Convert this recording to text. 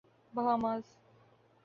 Bahamas